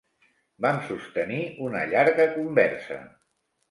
Vam sostenir una llarga conversa.